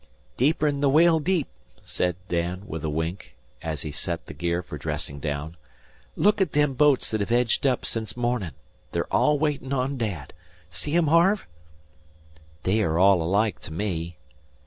"Deeper'n the Whale deep," said Dan, with a wink, as he set the gear for dressing down. "Look at them boats that hev edged up sence mornin'. They're all waitin' on Dad. See 'em, Harve?" "They are all alike to me."